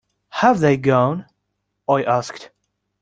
“Have they gone?” I asked.